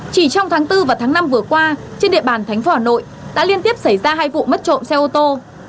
chỉ trong tháng bốn và tháng năm vừa qua trên địa bàn thành phố hà nội đã liên tiếp xảy ra hai vụ mất trộm xe ô tô